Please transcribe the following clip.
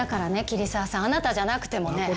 桐沢さんあなたじゃなくてもね。